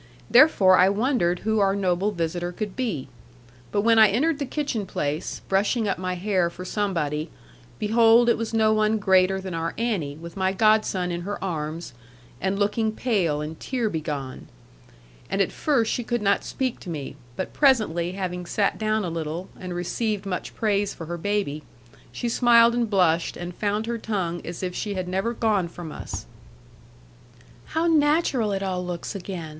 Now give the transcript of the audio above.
Therefore I wondered who our noble visitor could be. But when I entered the kitchen place, brushing up my hair for somebody, behold it was no one greater than our Annie, with my godson in her arms, and looking pale and tear begone. And at first she could not speak to me. But presently having sat down a little, and received much praise for her baby, she smiled and blushed, and found her tongue as if she had never gone from us. 'How natural it all looks again!